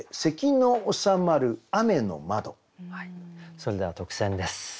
それでは特選です。